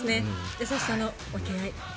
優しさの分け合い。